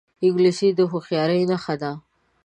انګلیسي د هوښیارۍ نښه ده